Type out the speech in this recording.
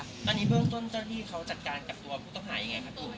ตอนนี้เบื้องต้นเจ้าหน้าที่เขาจัดการกับตัวผู้ต้องหายังไงครับคุณ